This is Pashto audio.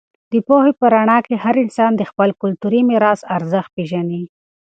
د پوهې په رڼا کې انسان د خپل کلتوري میراث ارزښت پېژني.